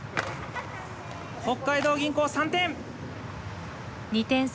北海道銀行３点！